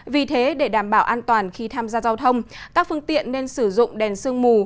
vì thế để đảm bảo an toàn khi tham gia giao thông các phương tiện nên sử dụng đèn sương mù